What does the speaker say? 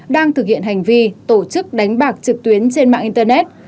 đang thực hiện hành vi tổ chức đánh bạc trực tuyến trên mạng internet